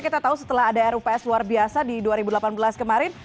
kita tahu setelah ada rups luar biasa di dua ribu delapan belas kemarin